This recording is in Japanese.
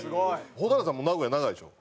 蛍原さんも名古屋長いでしょ？